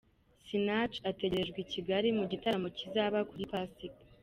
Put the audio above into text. Sinach ategerejwe i Kigali mu gitaramo kizaba kuri Pasika.